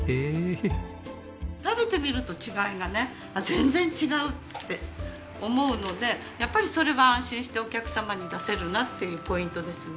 食べてみると違いがねあっ全然違うって思うのでやっぱりそれは安心してお客様に出せるなっていうポイントですね。